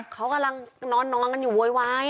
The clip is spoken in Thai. เขากำลังนอนกันอยู่โวยวาย